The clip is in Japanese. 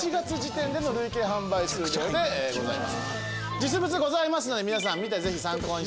実物ございますので皆さん見てぜひ参考にしてください。